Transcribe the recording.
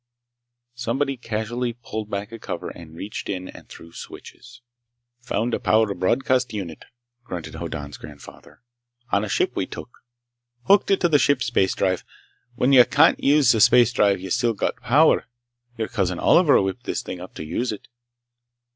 Somebody casually pulled back a cover and reached in and threw switches. "Found a power broadcast unit," grunted Hoddan's grandfather, "on a ship we took. Hooked it to the ship's space drive. When y'can't use the space drive, you still got power. Your Cousin Oliver whipped this thing up to use it."